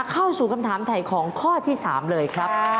เข้าสู่คำถามถ่ายของข้อที่๓เลยครับ